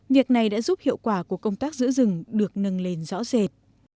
việc này đã giúp hiệu quả của công tác giữ rừng được nâng lên rõ rệt